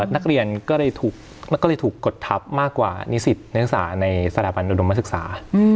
นักเรียนก็เลยถูกกดทับมากกว่านิสิตนักศึกษาในสถาบันอุดมศึกษา